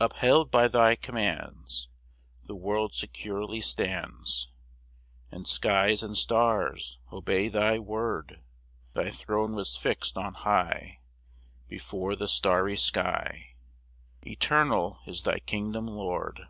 2 Upheld by thy commands The world securely stands; And skies and stars obey thy word: Thy throne was fix'd on high Before the starry sky; Eternal is thy kingdom, Lord.